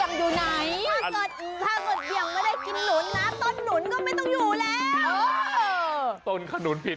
มาครั้งนี้มันจะมากินกินขนุนครับ